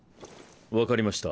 分かりました。